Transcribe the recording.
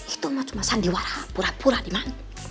itu cuma sandiwara pura pura di mana